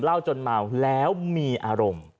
จนเมาแล้วมีอารมณ์